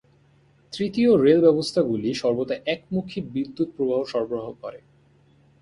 তৃতীয় রেল ব্যবস্থাগুলি সর্বদা একমুখী বিদ্যুৎ প্রবাহ সরবরাহ করে।